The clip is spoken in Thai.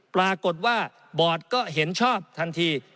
ปรากฏว่าบอร์ดก็เห็นชอบทันที